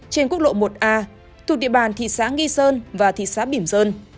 trên quốc lộ một a thuộc địa bàn thị xã nghi sơn và thị xã bỉm sơn